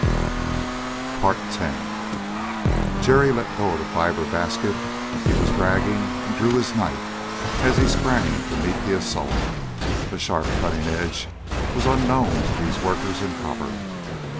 Jerry let go the fiber basket he was dragging and drew his knife as he sprang to meet the assault. A sharp cutting edge was unknown to these workers in copper.